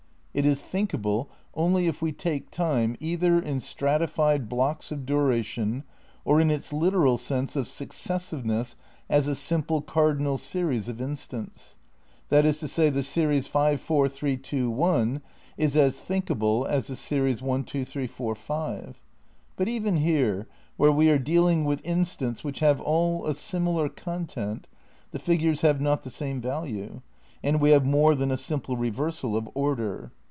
^ It is thinkable Kevers only if we take time, either in stratified blocks of dura \^e tion, or in its literal sense of successiveness as a simple Series cardinal series of instants. That is to say the series 5,4,3,2,1, is as thinkable as the series 1,2,3,4,5 ; but even here, where we are dealing with instants which have aU a similar content, the figures have not the same value, and we have more than a simple reversal of order.